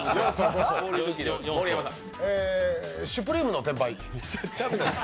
シュプリームの転売？